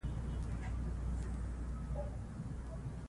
د تذکرې په درلودلو سره بانکي حساب خلاصیږي.